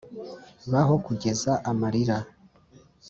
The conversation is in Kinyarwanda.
baho kugeza amarira